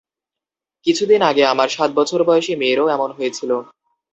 কিছুদিন আগে আমার সাত বছর বয়সী মেয়েরও এমন হয়েছিল।